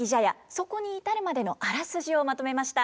そこに至るまでのあらすじをまとめました。